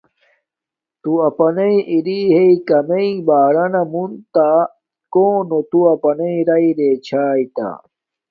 تے اپناݵ اری ھاݵ کامےنݣ بارانا مون تا کونو تو اپنے اری چھاݵ تہ